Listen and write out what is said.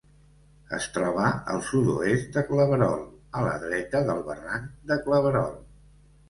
Es troba al sud-oest de Claverol, a la dreta del barranc de Claverol.